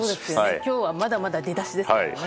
今日はまだまだ出だしですからね。